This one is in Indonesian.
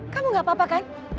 kamu gak apa apa kan